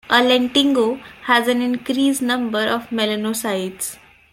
A lentigo has an increased "number" of melanocytes.